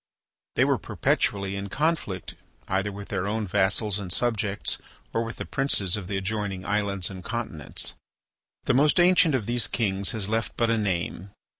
They were perpetually in conflict either with their own vassals and subjects or with the princes of the adjoining islands and continents. The most ancient of these kings has left but a name.